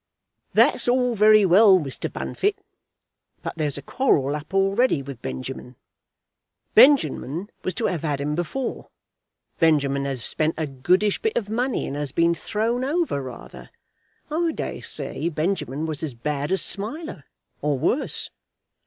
"That's all very well, Mr. Bunfit. But there's a quarrel up already with Benjamin. Benjamin was to have had 'em before. Benjamin has spent a goodish bit of money, and has been thrown over rather. I daresay Benjamin was as bad as Smiler, or worse.